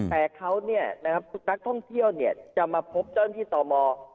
แผ่นเขาเนี่ยนะครับนักท่องเที่ยวเนี่ยจะมาพบเจ้าต้นที่ต่อมอ